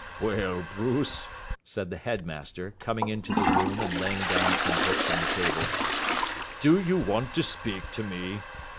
"Well, Bruce," said the headmaster, coming into the room and laying down some books on the table, "do you want to speak to me?